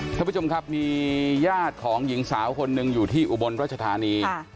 ท่านผู้ชมครับมีญาติของหญิงสาวคนหนึ่งอยู่ที่อุบลรัชธานี